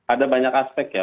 ada banyak aspek ya